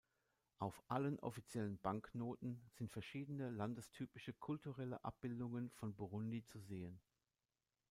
Auf allen offiziellen Banknoten sind verschiedene landestypische kulturelle Abbildungen von Burundi zu sehen.